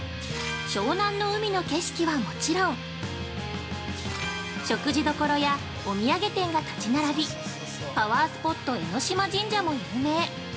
湘南の海の景色はもちろん、食事処やお土産店が立ち並び、パワースポット江島神社も有名。